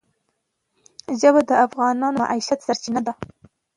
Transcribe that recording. ژبې د افغانانو د معیشت سرچینه ده.